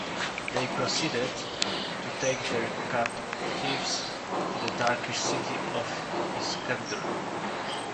They proceeded to take their captives to the Turkish city of Iskenderun.